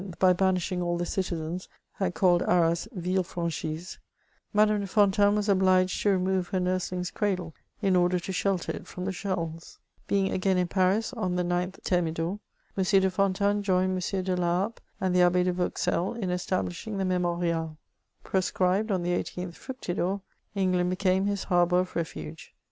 by banishing all the citizens, had called Arras Ville Jranchise, Madame de Fontanes was obliged to remove her nursHng's cradle, in order to shelter it &om the shells. Being again in Paris on the 9th Thermidor, M. de Fontanes joined M. de Laharpe and the Abb6 de Vauxelles in establishing the Memorial, Proscribed on the 18th Fructidor, England became his harbour of refuge.